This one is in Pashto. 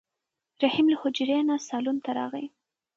رحیم له حجرې نه صالون ته راغی.